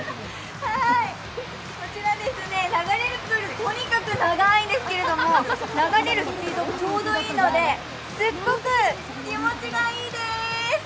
こちら、流れるプール、とにかく長いんですけれども流れるスピードがちょうどいいのですっごく気持ちがいいでーす。